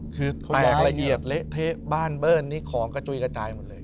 คือแตกละเอียดเละเทะบ้านเบิ้ลนี้ของกระจุยกระจายหมดเลย